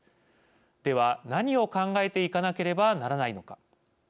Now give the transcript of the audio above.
では何を考えていかなければならないのか。